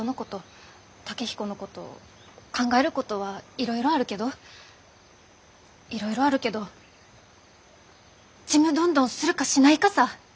健彦のこと考えることはいろいろあるけどいろいろあるけどちむどんどんするかしないかさぁ！